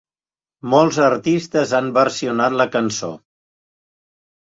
Molts artistes han versionat la cançó.